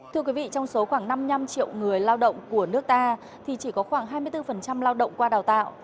thưa quý vị trong số khoảng năm mươi năm triệu người lao động của nước ta thì chỉ có khoảng hai mươi bốn lao động qua đào tạo